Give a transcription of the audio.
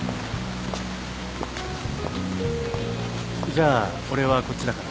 ・・じゃあ俺はこっちだから。